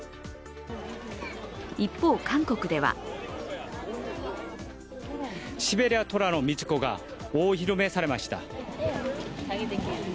一方、韓国ではシベリアトラの三つ子がお披露目されました。